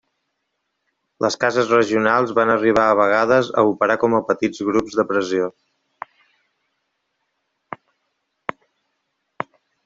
Les cases regionals van arribar a vegades a operar com a petits grups de pressió.